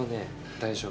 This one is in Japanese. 大丈夫。